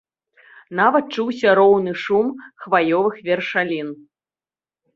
Нават чуўся роўны шум хваёвых вершалін.